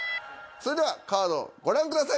それではカードご覧ください。